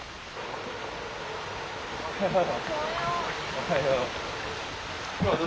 おはよう。